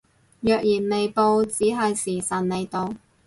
若然未報只係時辰未到